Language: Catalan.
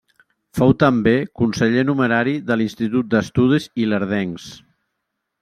Fou també conseller numerari de l'Institut d'Estudis Ilerdencs.